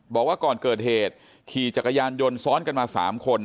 บอกว่าก่อนเกิดเหตุขี่จักรยานยนต์ซ้อนกันมา๓คน